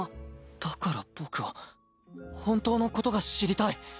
だから僕は本当のことが知りたい。